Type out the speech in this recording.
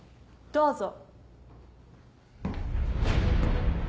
どうぞ。